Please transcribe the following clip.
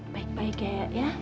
baik baik ya ya